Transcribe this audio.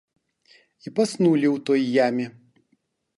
І паснулі у той яме!